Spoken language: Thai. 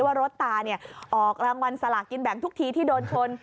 ว่ารถตาออกรางวัลสลากินแบ่งทุกทีที่โดนชน